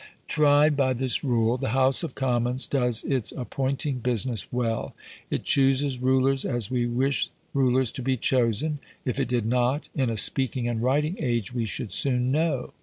Tried by this rule the House of Commons does its appointing business well. It chooses rulers as we wish rulers to be chosen. If it did not, in a speaking and writing age we should soon know.